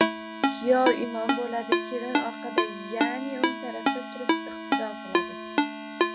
Kuyov imom bo‘ladi, kelin orqada, ya'ni o‘ng tarafda turib iqtido qiladi.